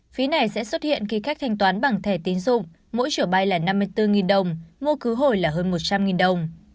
phí này sẽ xuất hiện khi khách thanh toán bằng thẻ tín dụng mỗi chiều bay là năm mươi bốn đồng mua cứu hồi là hơn một trăm linh đồng